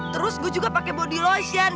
terus gue juga pakai body lotion